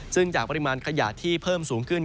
ซึ่งจากปริมาณขยะที่เพิ่มสูงขึ้น